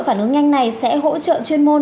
các đội phản ứng nhanh này sẽ hỗ trợ chuyên môn